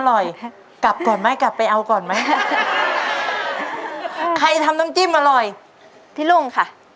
กลับก่อนไหมกลับไปเอาก่อนไหมใครทำน้ำจิ้มอร่อยพี่รุ่งค่ะ